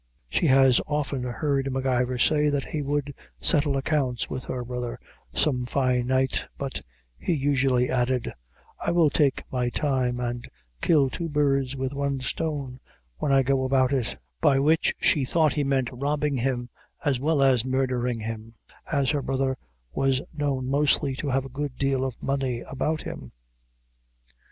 She has often heard M'Ivor say that he would settle accounts with her brother some fine night, but he usually added, "I will take my time and kill two birds with one stone when I go about it," by which she thought he meant robbing him, as well as murdering him, as her brother was known mostly to have a good deal of money about him.